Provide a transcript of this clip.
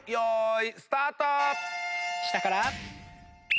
下から。